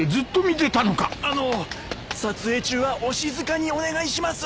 あの撮影中はお静かにお願いします。